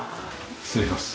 失礼します。